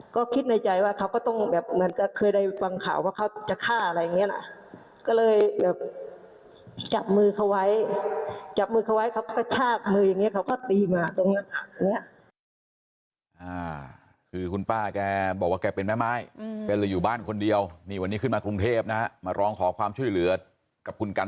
ก็คิดในใจว่าเขาก็ต้องแบบเหมือนก็เคยได้ฟังข่าวว่าเขา